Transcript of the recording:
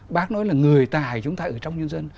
bác nói là người tài chúng ta ở trong nhân dân